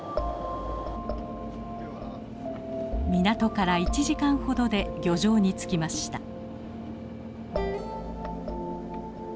港から１時間ほどで漁場に着きました。